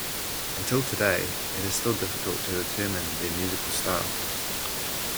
Until today, it is still difficult to determine their musical style.